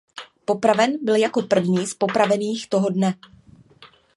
Popraven byl jako první z popravených toho dne.